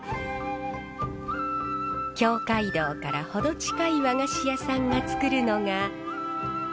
京街道から程近い和菓子屋さんが作るのが。